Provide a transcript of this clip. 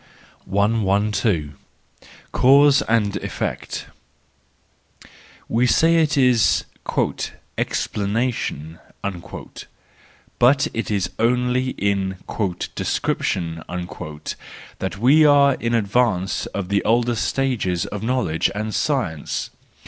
112 . Cause and Effect .—We say it is " explanation "; but it is only in " description " that we are in advance of the older stages of knowledge and science.